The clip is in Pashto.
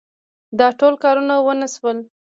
دا ټوله کارونه ونه شول.